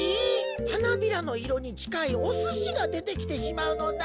はなびらのいろにちかいおすしがでてきてしまうのだ。